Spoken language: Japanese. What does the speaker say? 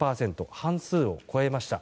半数を超えました。